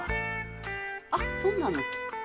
あそうなの。